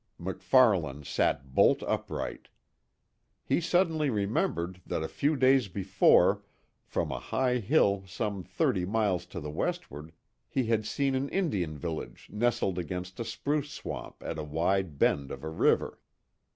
MacFarlane sat bolt upright. He suddenly remembered that a few days before, from a high hill some thirty miles to the westward, he had seen an Indian village nestled against a spruce swamp at a wide bend of a river.